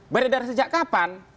beredar sejak kapan